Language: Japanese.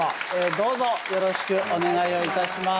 どうぞよろしくお願いをいたします。